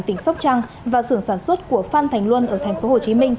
tỉnh sóc trăng và sưởng sản xuất của phan thành luân ở tp hcm